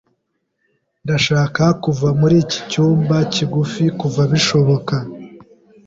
Ndashaka kuva muri iki cyumba kigufi vuba bishoboka.